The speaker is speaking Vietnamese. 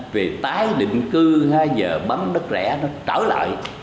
về tái định cư hay giờ bấm đất rẽ nó trở lại